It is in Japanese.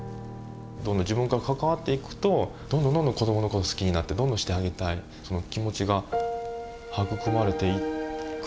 自分が関わっていくとどんどんどんどん子どもの事好きになってどんどんしてあげたいその気持ちが育まれていく。